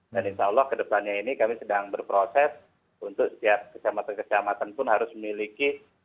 dan insya allah ke depannya ini kami sedang berproses untuk setiap kecamatan kecamatan pun harus memiliki